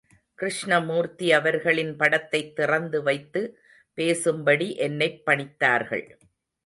கிருஷ்ணமூர்த்தி அவர்களின் படத்தைத் திறந்து வைத்து பேசும்படி என்னைப் பணித்தார்கள்.